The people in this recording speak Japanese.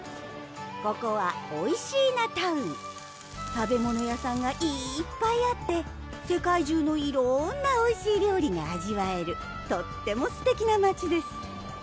ここはおいしーなタウン食べ物屋さんがいっぱいあって世界中の色んなおいしい料理が味わえるとってもすてきな街です